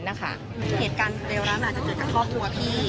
เหตุการณ์เร็วนั้นอาจจะเกิดจากครอบครัวพี่